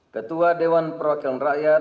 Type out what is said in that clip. ketua dewan perwakilan rakyat